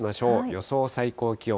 予想最高気温。